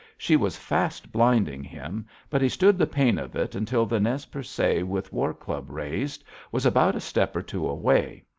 She was fast blinding him, but he stood the pain of it until the Nez Percé, with war club raised, was but a step or two away.